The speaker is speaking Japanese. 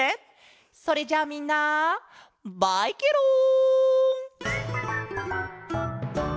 それじゃみんなバイケロン！